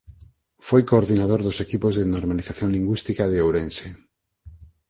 Foi coordinador dos Equipos de Normalización Lingüística de Ourense.